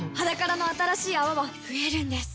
「ｈａｄａｋａｒａ」の新しい泡は増えるんです